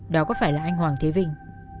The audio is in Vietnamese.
đó có phải là anh hoàng thế vinh